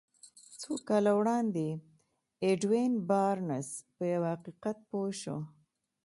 څو کاله وړاندې ايډوين بارنس په يوه حقيقت پوه شو.